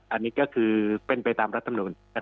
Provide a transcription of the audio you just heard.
อันนี้ก็คือเป็นไปตามรัฐมนุน